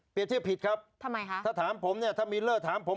เปรียบเทียบผิดครับถ้าถามผมเนี่ยถ้ามิลเลอร์ถามผม